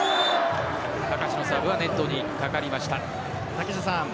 高橋のサーブはネットにかかりました。